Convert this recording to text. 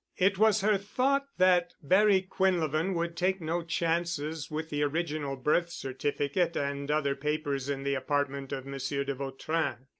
It was her thought that Barry Quinlevin would take no chances with the original birth certificate and other papers in the apartment of Monsieur de Vautrin.